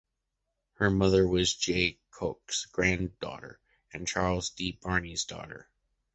Her mother was Jay Cooke’s granddaughter, and Charles D. Barney’s daughter.